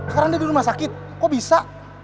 sekarang dia di rumah sakit kok bisa